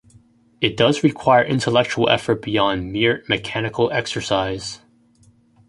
It does require intellectual effort beyond mere mechanical exercise.